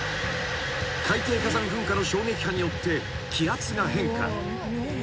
［海底火山噴火の衝撃波によって気圧が変化］